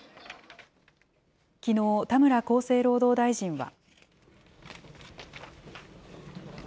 きのう、田村厚生労働大臣は。